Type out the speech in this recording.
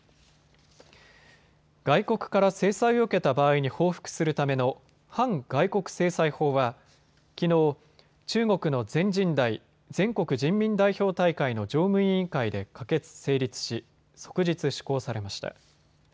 外国から制裁を受けた場合に報復するための反外国制裁法はきのう、中国の全人代・全国人民代表大会の常務委員会で可決、成立し即日、施行されました。